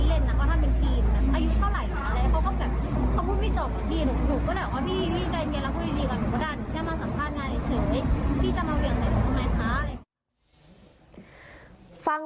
แต่ว่าแล้วพี่เขาก็แบบมาพูดแบบว่า